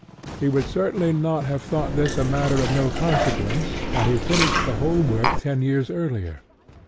He would certainly not have thought this a matter of no consequence had he finished the whole work ten years earlier.